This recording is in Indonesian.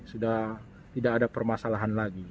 sudah tidak ada permasalahan lagi